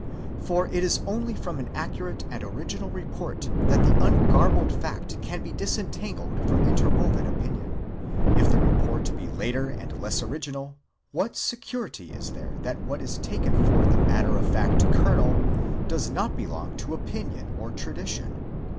For it is only from an accurate and original report that the ungarbled fact can be disentangled from interwoven opinion. If the report be later and less original, what security is there that what is taken for the matter of fact kernel does not belong to opinion or tradition?